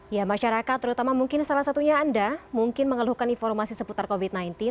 ya masyarakat terutama mungkin salah satunya anda mungkin mengeluhkan informasi seputar covid sembilan belas